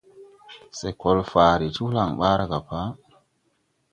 Se kol faare ti holaŋ ɓaara ga pa.